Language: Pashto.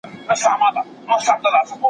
د اصفهان جنګ د پښتنو توره ثابته کړه.